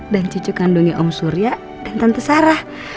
dan cucu kandungnya oma surya dan tante sarah